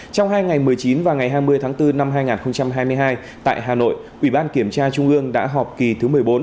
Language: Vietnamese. trong hai ngày một mươi chín và ngày hai mươi tháng bốn năm hai nghìn hai mươi hai tại hà nội ủy ban kiểm tra trung ương đã họp kỳ thứ một mươi bốn